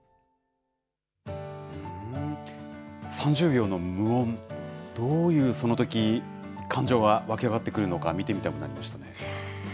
３０秒の無音、どういう、そのとき感情が湧き上がってくるのか、見てみたくなりましたね。